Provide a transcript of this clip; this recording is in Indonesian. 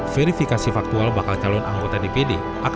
verifikasi faktual bakal calon anggota jawa tengah